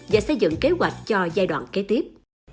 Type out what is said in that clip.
và xây dựng kế hoạch cho giai đoạn kế tiếp